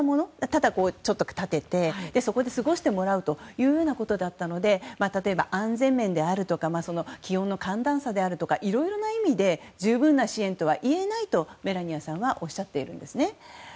ただ、ちょっと建ててそこで過ごしてもらうということだったので例えば安全面であるとか気温の寒暖差であるとかいろいろな意味で十分な支援とは言えないとメラニアさんはおっしゃっているんですね。